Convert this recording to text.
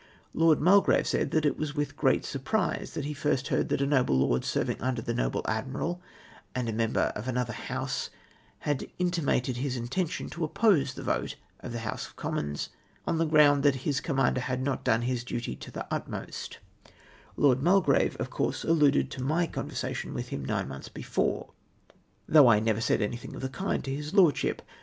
Lord Mulgrave said that it was with great sm prise that he first heard that a noble lord servinoj under the noble Admiral, and a member of another House, had intimated his intention to oppose the vote of the House of Commons, on the ground that his commander had not done his duty to the utmost Lord Mulgrave, of course, alluded to my conversation with him nine months before, though I never said anything of the kind to his Lordship.